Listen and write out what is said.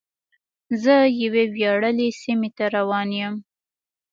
زه یوې ویاړلې سیمې ته روان یم.